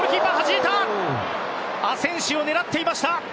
アセンシオ、狙っていました。